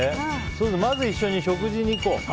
まず一緒に食事に行こう。